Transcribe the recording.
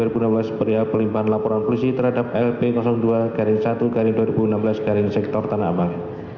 beriah pelimpahan laporan polisi terhadap lp dua garing satu garing dua ribu enam belas garing sektor tanah abang